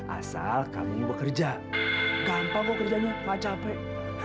asal kami bekerja gampang kerjanya enggak capek